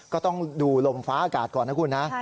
ก็ต้องดูลมฟ้าอากาศก่อนนะคุณนะ